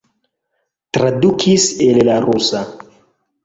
Tradukis el la rusa.